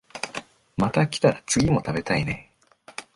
また来たら次も食べたいね